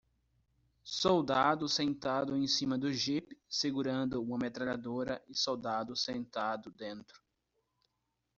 Soldado sentado em cima do jipe segurando uma metralhadora e soldado sentado dentro.